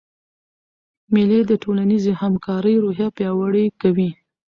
مېلې د ټولنیزي همکارۍ روحیه پیاوړې کوي.